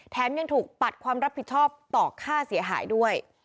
ยังถูกปัดความรับผิดชอบต่อค่าเสียหายด้วย